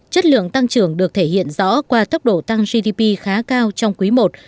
chất lượng tăng trưởng được thể hiện rõ qua tốc độ tăng gdp khá cao trong quý i